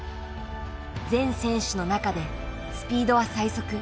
全選手の中でスピードは最速。